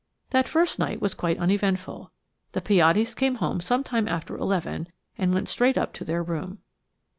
That first night was quite uneventful. The Piattis came home some time after eleven and went straight up to their room.